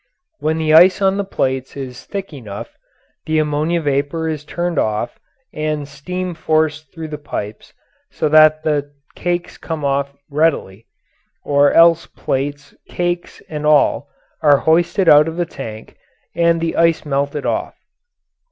When the ice on the plates is thick enough, the ammonia vapour is turned off and steam forced through the pipes so the cakes come off readily, or else plates, cakes, and all are hoisted out of the tank and the ice melted off.